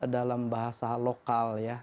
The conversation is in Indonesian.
dalam bahasa lokal ya